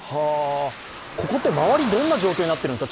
ここって周りどんな状況になっているんですか。